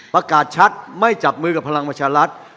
ประกาศชัดไม่จับมือกับพลังประชารัฐ